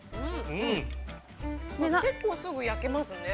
◆結構すぐ焼けますね。